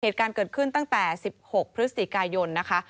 เหตุการณ์เกิดขึ้นตั้งแต่๑๖พฤศจิกายนนะคะ